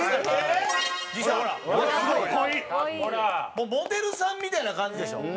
もうモデルさんみたいな感じでしょ！